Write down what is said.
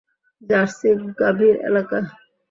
Jersey গাভীর এলাকা।